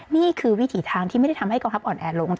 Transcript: นี่คือวิถีทางที่ไม่ได้ทำให้กองทัพอ่อนแอลง